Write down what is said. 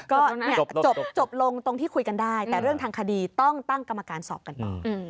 ก็จบลงตรงที่คุยกันได้แต่เรื่องทางคดีต้องตั้งกรรมการสอบกันต่อ